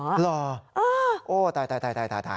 หล่อโอ้ตาย